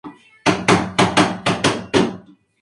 Se desempeña como defensa central.